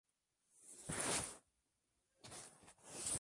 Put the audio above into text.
Es originario de Brasil y norte de Argentina.